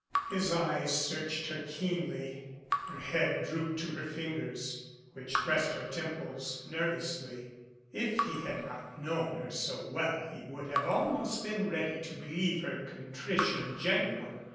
His eyes searched her keenly. Her head drooped to her fingers, which pressed her temples nervously. If he had not known her so well he would have almost been ready to believe her contrition genuine.